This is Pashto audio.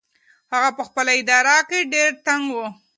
هغه په خپله اراده کې ډېر ټینګ و.